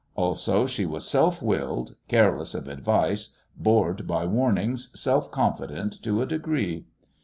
Also, she was self willed, careless of advice, bored by warnings, self confident to a degree.